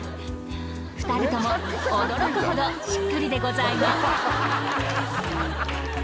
２人とも驚くほどしっくりでございます。